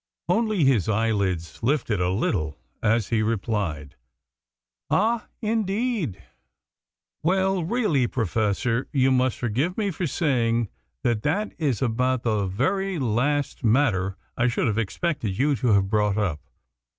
Only his eyelids lifted a little as he replied: "Ah, indeed? Well, really, Professor, you must forgive me for saying that that is about the very last matter I should have expected you to have brought up.